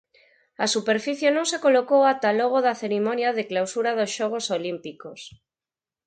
A superficie non se colocou ata logo da cerimonia de clausura dos Xogos Olímpicos.